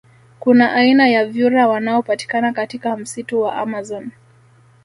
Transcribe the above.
Kuna aina ya vyura wanaopatikana katika msitu wa amazon